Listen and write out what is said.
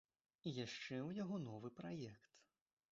І яшчэ ў яго новы праект.